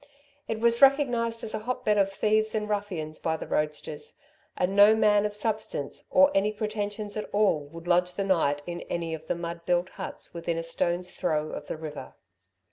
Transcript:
It was recognised as a hotbed of thieves and ruffians by the roadsters, and no man of substance or any pretensions at all, would lodge the night in any of the mud built huts within a stone's throw of the river.